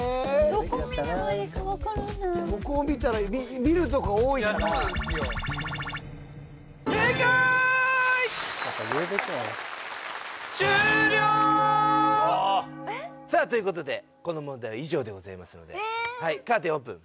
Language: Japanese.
どこを見たらいい見るとこ多いから終了さあということでこの問題は以上でございますのではいカーテン